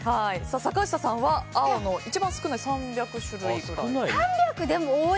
坂下さんは青の一番少ない３００種類くらい。